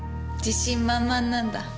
自信満々なんだ。